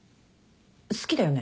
好きだよね？